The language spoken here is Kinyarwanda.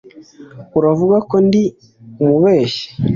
uravuga ko ndi umubeshyi